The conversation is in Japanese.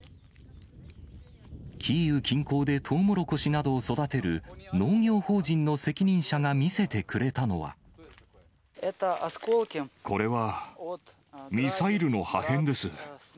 キーウ近郊でトウモロコシなどを育てる農業法人の責任者が見せてこれはミサイルの破片です。